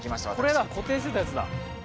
これだ固定してたやつだ。